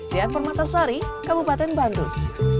dian permata sori kabupaten bandung